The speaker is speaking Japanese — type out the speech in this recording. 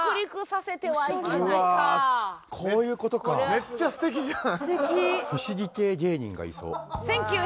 めっちゃ素敵じゃん。